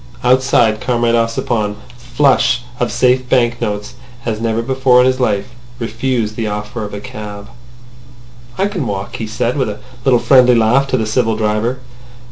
Outside, Comrade Ossipon, flush of safe banknotes as never before in his life, refused the offer of a cab. "I can walk," he said, with a little friendly laugh to the civil driver.